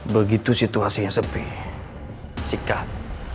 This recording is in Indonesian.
begitu situasinya sepi segel